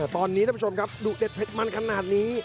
ตอนนี้จะช่วงครับดูเสร็จมันขนาดนี้